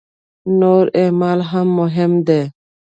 نور اعمال هم مهم دي.